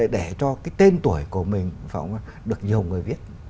để cho cái tên tuổi của mình được nhiều người viết